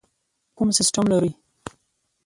کوم سیسټم لرئ؟